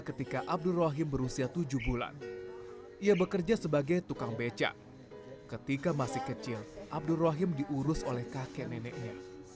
ketika abdul rohim berubah menjadi anak anak pemulung yang terkenal di rumahnya